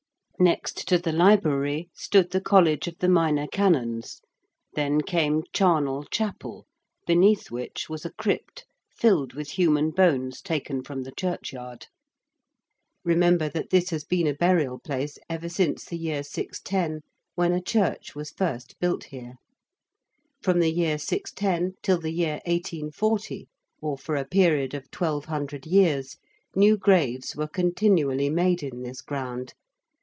Next to the library stood the College of the Minor Canons: then came Charnel Chapel, beneath which was a crypt filled with human bones taken from the churchyard. Remember that this has been a burial place ever since the year 610, when a church was first built here. From the year 610 till the year 1840, or for a period of 1,200 years, new graves were continually made in this ground.